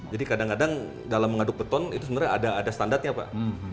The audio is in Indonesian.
jadi kadang kadang dalam mengaduk beton itu sebenarnya ada standarnya pak